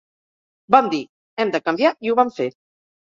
Vam dir, hem de canviar i ho vam fer.